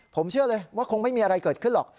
ผมเชื่อเลยว่าคงไม่มีอะไรเกิดขึ้นหรอก